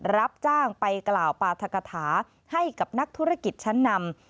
รับจ้างไปกล่าวปราธกฐาให้กับนักธุรกิจชั้นนำ